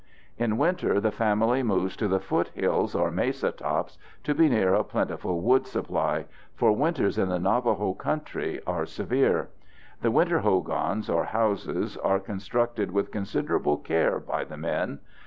In winter the family moves to the foothills or mesa tops to be near a plentiful wood supply, for winters in the Navajo country are severe. The winter hogans, or houses, are constructed with considerable care by the men.